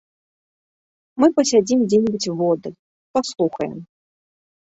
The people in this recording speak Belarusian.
Мы пасядзім дзе-небудзь воддаль, паслухаем.